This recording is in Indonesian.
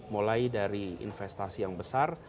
mulai dari investasi yang besar